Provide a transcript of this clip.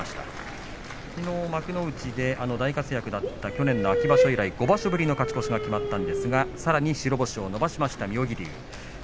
去年の秋場所以来５場所ぶりの勝ち越しが決まったんですがさらに白星を伸ばしました妙義龍。